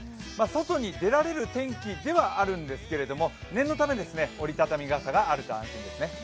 外に出られる天気ではあるんですけれども、念のため折り畳み傘があると安心ですね。